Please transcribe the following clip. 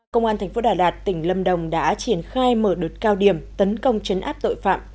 công an tp đà lạt tỉnh lâm đồng đã triển khai mở đột cao điểm tấn công chấn áp tội phạm